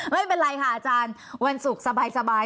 ไม่เป็นไรค่ะอาจารย์วันศุกร์สบาย